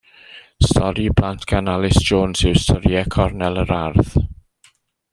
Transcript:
Stori i blant gan Alys Jones yw Storïau Cornel yr Ardd.